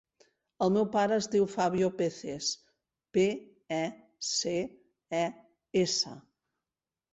El meu pare es diu Fabio Peces: pe, e, ce, e, essa.